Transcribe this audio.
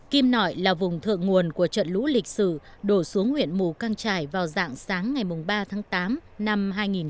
kim nội là vùng thượng nguồn của trận lũ lịch sử đổ xuống huyện mù căng trải vào dạng sáng ngày ba tháng tám năm hai nghìn một mươi chín